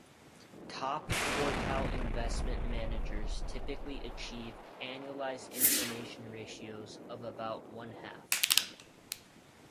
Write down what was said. Top-quartile investment managers typically achieve annualized information ratios of about one-half.